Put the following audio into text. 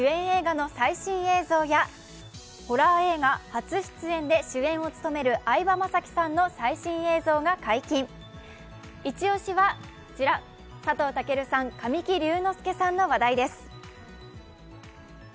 映画の最新映像や、ホラー映画初出演で主演を務める相葉雅紀さんの最新映像が解禁、イチ押しはこちら、佐藤健さん、神木隆之介さんの話題です。